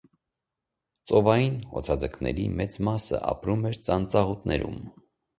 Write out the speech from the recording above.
Ծովային օձաձկների մեծ մասը ապրում էր ծանծաղուտներում։